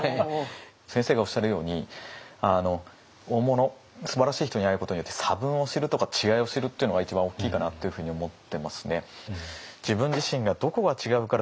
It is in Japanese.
先生がおっしゃるように大物すばらしい人に会えることによって差分を知るとか違いを知るっていうのが一番大きいかなというふうに思ってますね。